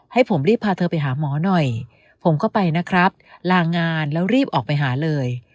ให้ผมรีบพาเธอไปหาหมอหน่อยผมก็ไปนะครับลางานแล้วรีบออกไปหาเลย